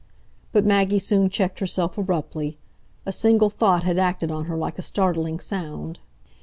But Maggie soon checked herself abruptly; a single thought had acted on her like a startling sound.